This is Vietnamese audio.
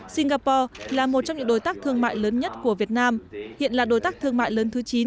singapore là một trong những đối tác thương mại lớn nhất của việt nam hiện là đối tác thương mại lớn thứ chín